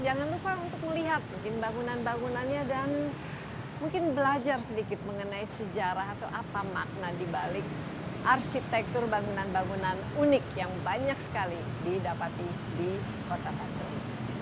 jangan lupa untuk melihat bangunan bangunannya dan mungkin belajar sedikit mengenai sejarah atau apa makna dibalik arsitektur bangunan bangunan unik yang banyak sekali didapati di kota bandung